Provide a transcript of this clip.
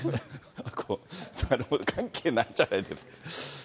なるほど、関係ないじゃないですか。